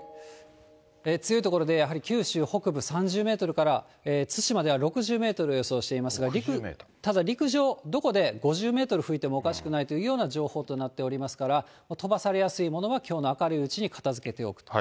強い所で、やはり九州北部、３０メートルから対馬では６０メートル予想してますが、ただ陸上、どこで５０メートル吹いてもおかしくないというような情報となっておりますから、飛ばされやすいものはきょうの明るいうちに片づけておくと。